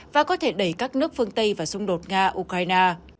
và có thể đẩy các nước phương tây vào xung đột nga ukraine